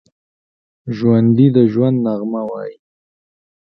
ژوندي د ژوند نغمه وايي